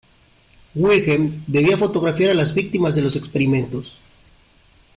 Wilhelm debía fotografiar a las víctimas de los experimentos.